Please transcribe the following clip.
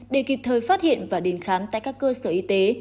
để kịp thời phát hiện và đến khám tại các cơ sở y tế